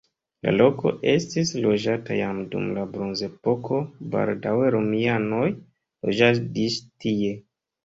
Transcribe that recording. La loko estis loĝata jam dum la bronzepoko, baldaŭe romianoj loĝadis tie.